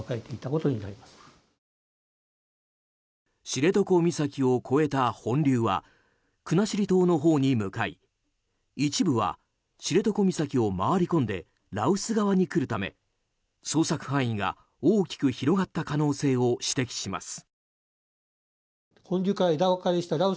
知床岬を越えた本流は国後島のほうに向かい一部は知床岬を回り込んで羅臼側に来るため捜索範囲が大きく広がった可能性を指摘します。